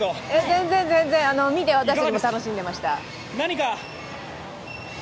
全然全然、見て、私たちも楽しんでました。